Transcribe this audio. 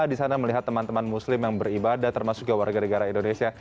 di sana melihat teman teman muslim yang beribadah termasuk juga warga negara indonesia